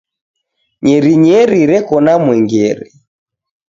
Nyerinyeri reko na mwengere.